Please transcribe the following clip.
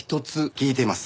聞いています。